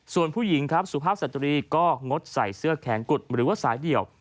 ส่วนผู้หญิงครับสุภาพสตรีก็งดใส่เสื้อแขนกุดหรือว่าสายเดี่ยว